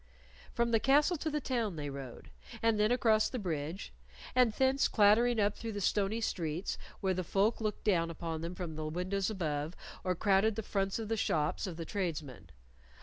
From the castle to the town they rode, and then across the bridge, and thence clattering up through the stony streets, where the folk looked down upon them from the windows above, or crowded the fronts of the shops of the tradesmen.